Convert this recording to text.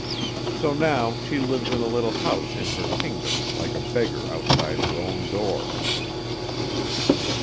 So now she lives in a little house in her kingdom, like a beggar outside her own door."